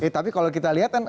tapi kalau kita lihat kan